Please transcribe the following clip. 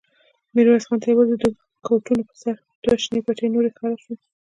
ميرويس خان ته يواځې د کوټونو پر سر دوې شنې پټې نوې ښکاره شوې.